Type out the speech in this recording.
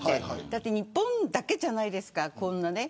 だって日本だけじゃないですか。